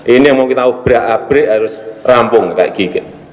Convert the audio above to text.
ini yang mau kita berabrik harus rampung kayak gigit